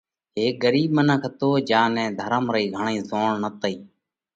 هيڪ ڳرِيٻ منک هتو جيا نئہ ڌرم رئي گھڻئِي زوڻ نتئِي